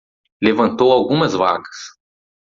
Levantou algumas vacas